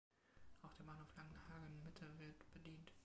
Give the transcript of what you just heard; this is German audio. Auch der Bahnhof Langenhagen-Mitte wird bedient.